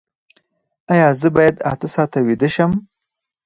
ایا زه باید اته ساعته ویده شم؟